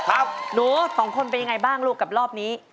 หนูสองคนเป็นยังไงบ้างลูกกับรอบนี้